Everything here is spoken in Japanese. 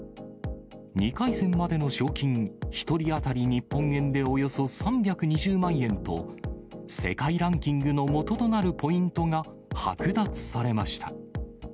２回戦までの賞金、１人当たり日本円でおよそ３２０万円と、世界ランキングのもととなるポイントが剥奪されました。